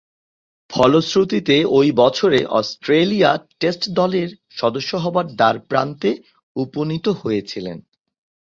ফলশ্রুতিতে, ঐ বছরে অস্ট্রেলিয়া টেস্ট দলের সদস্য হবার দ্বারপ্রান্তে উপনীত হয়েছিলেন।